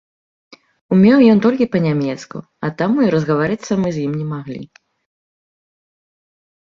Умеў ён толькі па-нямецку, а таму і разгаварыцца мы з ім не маглі.